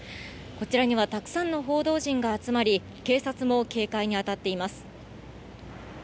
こちらにはたくさんの報道陣が集まり、警察も警戒に当たっています。